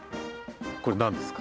これ何ですか？